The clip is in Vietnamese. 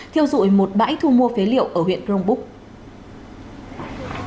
thiêu dụi một bãi thu mua phế liệu ở huyện grongbuk